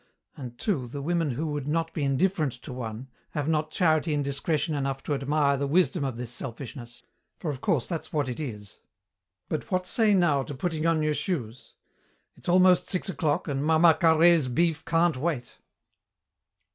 And too, the women who would not be indifferent to one, have not charity and discretion enough to admire the wisdom of this selfishness, for of course that's what it is. But what say, now, to putting on your shoes? It's almost six o'clock and Mama Carhaix's beef can't wait."